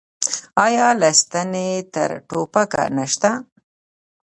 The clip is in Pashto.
آیا له ستنې تر ټوپکه نشته؟